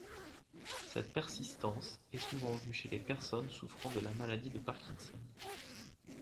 Cette persistance est souvent vue chez les personnes souffrant de la maladie de Parkinson.